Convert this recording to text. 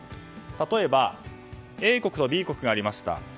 例えば、Ａ国とＢ国がありました。